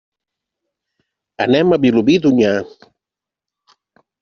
Anem a Vilobí d'Onyar.